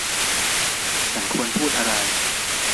ฉันควรพูดอะไร